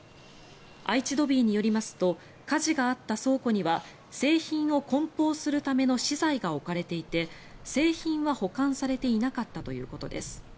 愛知ドビーによりますと火事があった倉庫には製品をこん包するための資材が置かれていて製品は保管されていなかったということです。